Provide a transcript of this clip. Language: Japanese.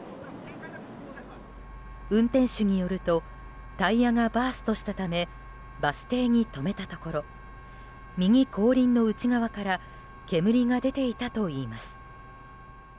運転手によるとタイヤがバーストしたためバス停に止めたところ右後輪の内側から煙が出ていたといいます。